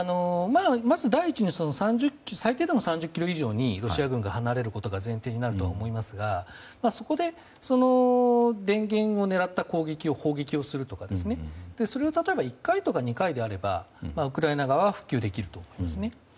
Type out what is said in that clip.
まず第一に最低でも３０ｋｍ以上ロシア軍が離れることが前提になると思いますがそこで、電源を狙った攻撃をするとか例えば１回とか２回であればウクライナ側は復旧できると思いますね。